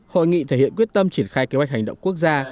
hội nghị thể hiện quyết tâm triển khai kế hoạch hành động quốc gia